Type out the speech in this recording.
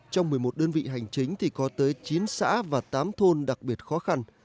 trong một mươi một đơn vị hành chính thì có tới chín xã và tám thôn đặc biệt khó khăn